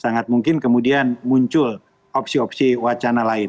sangat mungkin kemudian muncul opsi opsi wacana lain